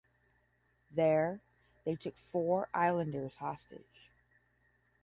There, they took four islanders hostage.